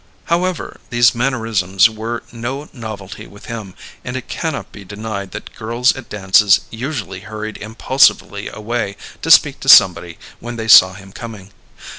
However, these mannerisms were no novelty with him, and it cannot be denied that girls at dances usually hurried impulsively away to speak to somebody when they saw him coming.